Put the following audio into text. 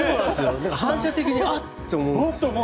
反射的にあっ！って思う。